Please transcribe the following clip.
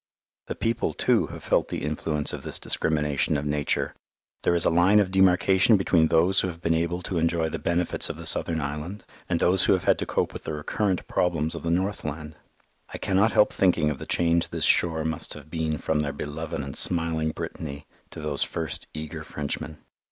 The people, too, have felt the influence of this discrimination of Nature. There is a line of demarcation between those who have been able to enjoy the benefits of the southern island, and those who have had to cope with the recurrent problems of the northland. I cannot help thinking of the change this shore must have been from their beloved and smiling Brittany to those first eager Frenchmen.